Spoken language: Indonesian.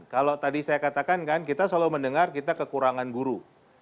kalau tadi saya katakan kan kita selalu mendengar kita kekurangan guru